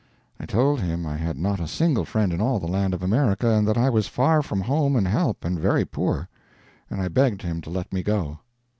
I told him I had not a single friend in all the land of America, and that I was far from home and help, and very poor. And I begged him to let me go.